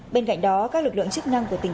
bên cạnh đó các lực lượng chức năng của tỉnh